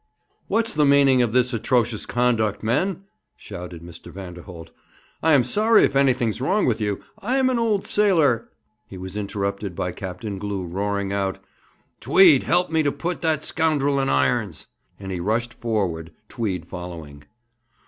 'What's the meaning of this atrocious conduct, men?' shouted Mr. Vanderholt. 'I am sorry if anything's wrong with you. I am an old sailor ' He was interrupted by Captain Glew roaring out: 'Tweed, help me to put that scoundrel in irons!' And he rushed forward, Tweed following.